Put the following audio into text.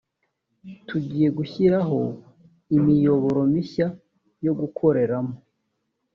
tugiye gushyiraho imiyoboro mishya yo gukoreramo